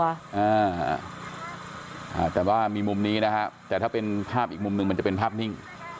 อ่าแต่ว่ามีมุมนี้นะฮะแต่ถ้าเป็นภาพอีกมุมหนึ่งมันจะเป็นภาพนิ่ง